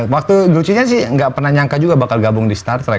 waktu lucunya sih nggak pernah nyangka juga bakal gabung di star trek